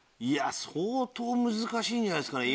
相当難しいんじゃないですかね